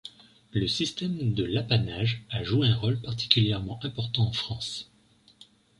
Le système de l’apanage a joué un rôle particulièrement important en France.